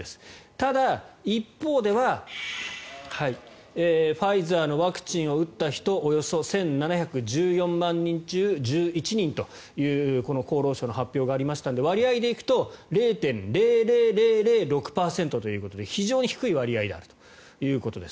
ただ、一方ではファイザーのワクチンを打った人およそ１７１４万人中１１人という厚労省の発表がありましたので割合で行くと０．００００６％ということで非常に低い割合であるということです。